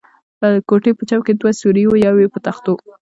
د کوټې په چت کې دوه سوري و، یو یې په تختو.